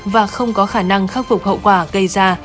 và không có khả năng khắc phục hậu quả gây ra